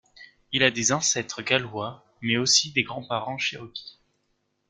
Il a des ancêtres gallois mais aussi des grands-parents cherokee.